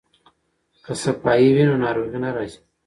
که صفايي وي نو ناروغي نه راځي.